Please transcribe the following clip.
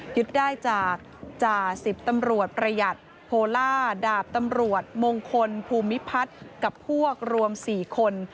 ยึดได้จากจ่าสิบตำรวจประหยัดโพล่าดาบตำรวจมงคลภูมิพัฒน์กับพวกรวม๔คน